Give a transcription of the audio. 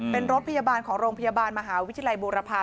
เป็นรถพยาบาลของโรงพยาบาลมหาวิทยาลัยบูรพา